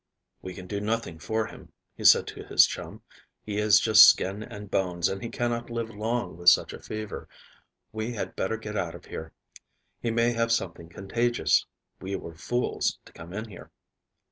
"We can do nothing for him," he said to his chum. "He is just skin and bones, and he cannot live long with such a fever. We had better get out of here. He may have something contagious. We were fools to come in here."